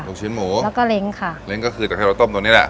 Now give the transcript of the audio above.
ลูกชิ้นหมูแล้วก็เล้งค่ะเล้งก็คือจากที่เราต้มตัวนี้แหละ